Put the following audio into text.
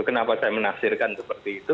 kenapa saya menafsirkan seperti itu